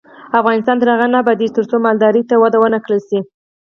افغانستان تر هغو نه ابادیږي، ترڅو مالدارۍ ته وده ورنکړل شي.